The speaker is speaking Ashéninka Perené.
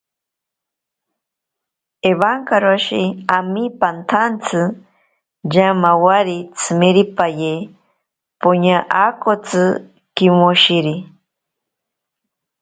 Ewankaroshi ami pantsantsi, yamawari tsimiripaye poña akakotsi kimoshiri.